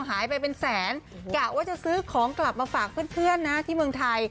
หายไปเป็นแสนกะว่าจะซื้อของกลับมาฝากเพื่อนนะที่เมืองไทย